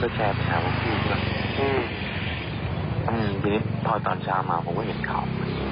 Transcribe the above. พีชมันด้วยผ่องมือบอกว่าเห็นโค้งประมาณแค่นิดเดียว